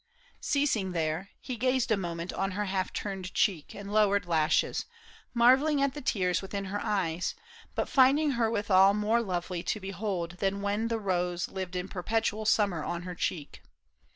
Ceasing there, He gazed a moment on her half turned cheek And lowered lashes, marveling at the tears 48 PAUL ISHAM. Within her eyes, but finding her withal More lovely to behold than when the rose Lived in perpetual summer on her cheek.